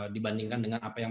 dibandingkan dengan apa yang